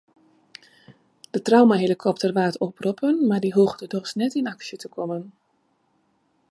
De traumahelikopter waard oproppen mar dy hoegde dochs net yn aksje te kommen.